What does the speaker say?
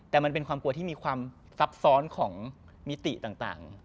แต่มันเป็นความกลัวที่มีความซับซ้อนของมิติต่าง